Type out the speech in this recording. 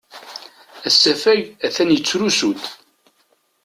Asafag atan yettrusu-d.